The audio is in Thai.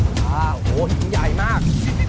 โอ้โหหินใหญ่มาก